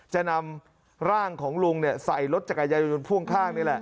จะนำร่างของลุงใส่รถจักรยายนพ่วงข้างนี่แหละ